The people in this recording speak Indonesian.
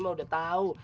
mau udah tahu